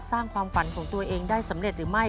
สร้างความฝันของตัวเองได้สำเร็จหรือไม่